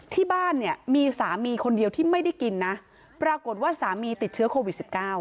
ที่บ้านเนี่ยมีสามีคนเดียวที่ไม่ได้กินนะปรากฏว่าสามีติดเชื้อโควิด๑๙